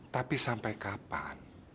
tapi sampai kapan